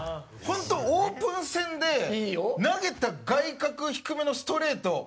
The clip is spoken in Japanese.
本当オープン戦で投げた外角低めのストレート